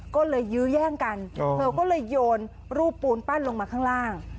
ก็เลยยื้อแย่งกันเธอก็เลยโยนรูปปูนปั้นลงมาข้างล่าง